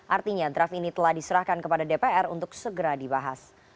artinya draft ini telah diserahkan kepada dpr untuk segera dibahas